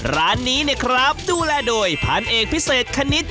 ร้านนี้เนี่ยครับดูแลโดยพันเอกพิเศษคณิต